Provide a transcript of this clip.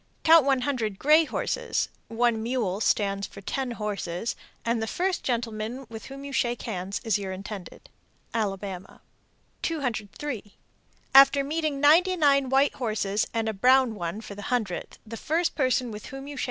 Count one hundred gray horses (one mule stands for ten horses), and the first gentleman with whom you shake hands is your intended. Alabama. 203. After meeting ninety nine white horses and a brown one for the hundredth, the first person with whom you shake hands will be your future mate.